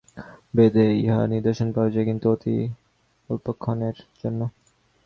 বেদে ইহার নিদর্শন পাওয়া যায়, কিন্তু অতি অল্পক্ষণের জন্য।